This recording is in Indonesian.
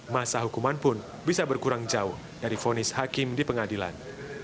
masa hukuman pun bisa berkurang jauh dari vonis hakim di pengadilan